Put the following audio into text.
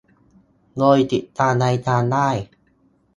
โดยติดตามรายการได้